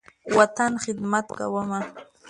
وطن، خدمت کومه